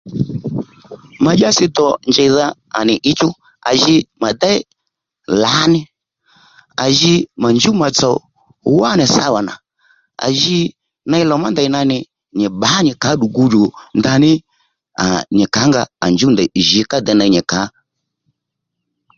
Ma dyási dò njèydha à nì ǐchú à ji mà déy lǎní à ji mà njúw mà tsò wá nì sáwà nà à ji ney lò má ndèy nà nì nyì bbǎ nyì kà ó ddù gudjò ndaní aa nyì kǎnga à njúw ndèy jǐ ká dey ney nyì kà ò